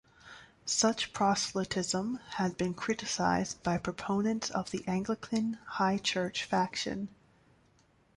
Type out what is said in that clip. Such proselytism had been criticised by proponents of the Anglican High Church faction.